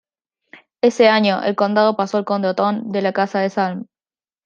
Ese año, el condado pasó al Conde Otón, de la Casa de Salm.